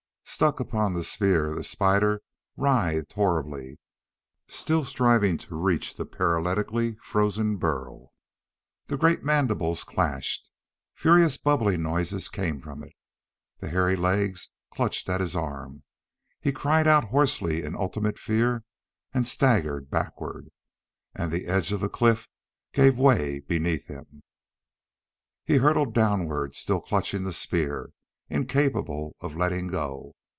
Stuck upon the spear the spider writhed horribly, still striving to reach the paralytically frozen Burl. The great mandibles clashed. Furious bubbling noises came from it. The hairy legs clutched at his arm. He cried out hoarsely in ultimate fear and staggered backward and the edge of the cliff gave way beneath him. He hurtled downward, still clutching the spear, incapable of letting go.